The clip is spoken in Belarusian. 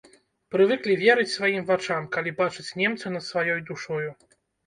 Прывыклі верыць сваім вачам, калі бачаць немца над сваёй душою.